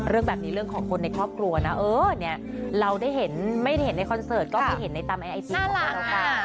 เรื่องแบบนี้เรื่องของคนในครอบครัวนะเออเราได้เห็นไม่ได้เห็นในคอนเสิร์ตก็ได้เห็นในตามไอไอจีนน่ารักน่ะ